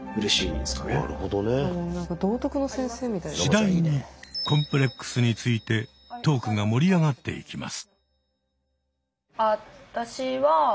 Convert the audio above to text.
次第にコンプレックスについてトークが盛り上がっていきます。